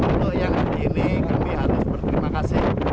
untuk yang hari ini kami harus berterima kasih